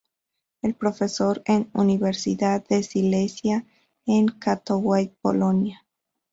Es profesor en Universidad de Silesia en Katowice, Polonia.